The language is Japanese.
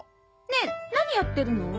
ねえ何やってるの？